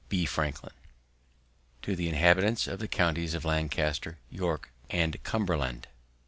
"B. Franklin." _"To the inhabitants of the Counties of Lancaster, York, and Cumberland.